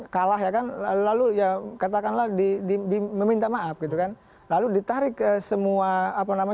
kalah ya kan lalu ya katakanlah di di meminta maaf gitu kan lalu ditarik ke semua apa namanya